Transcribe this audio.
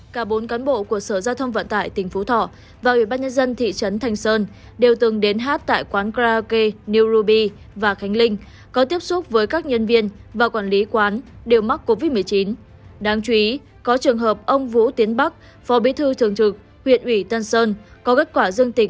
cả bốn cán bộ của sở giao thông vận tải tỉnh phú thỏ và ubnd thị trấn thanh sơn đều từng đến hát tại quán kraoke new ruby và khánh linh có tiếp xúc với các nhân viên và quản lý quán đều mắc covid một mươi chín